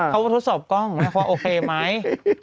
เขาวงโทรศอบกล้องไม่ความโอเคไหม